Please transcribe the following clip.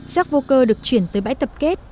rác vô cơ được chuyển tới bãi tập kết